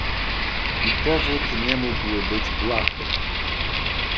"I powód nie mógł być błahy."